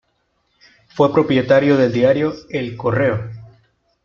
Fue propietario del diario "El Correo".